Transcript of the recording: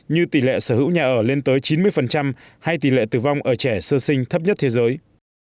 như tỷ lệ sở hữu nhà ở lên tới chín mươi hay tỷ lệ tử vong ở trẻ sơ sinh thấp nhất thế giới